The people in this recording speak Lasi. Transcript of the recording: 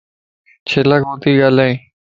چھيلا ڪوتي ڳالھائي؟